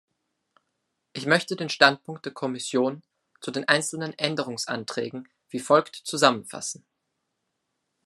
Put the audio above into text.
Ich möchte den Standpunkt der Kommission zu den einzelnen Änderungsanträgen wie folgt zusammenfassen.